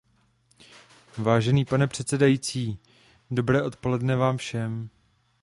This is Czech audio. Vážený pane předsedající, dobré odpoledne vám všem.